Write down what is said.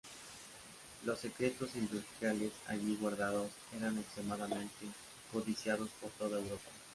Los secretos industriales allí guardados, eran extremadamente codiciados por toda Europa.